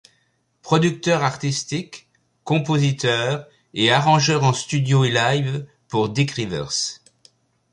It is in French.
Producteur artistique, compositeur et arrangeur en studio & live pour Dick Rivers.